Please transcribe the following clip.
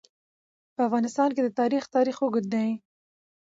په افغانستان کې د تاریخ تاریخ اوږد دی.